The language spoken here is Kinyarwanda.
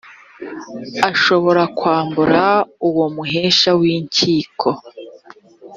ashobora kwambura uwo muhesha w’inkiko